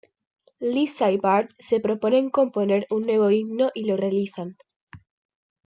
Lisa y Bart se proponen componer un nuevo himno y lo realizan.